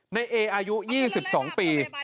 ในเออายุ๒๒ปี